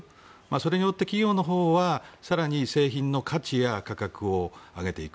それによって企業のほうは更に製品の価値を上げていく。